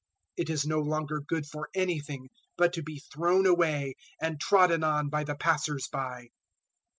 It is no longer good for anything but to be thrown away and trodden on by the passers by.